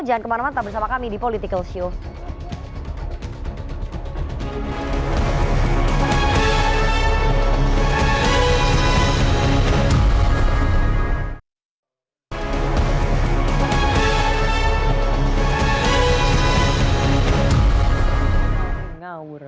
jangan kemana mana tetap bersama kami di political show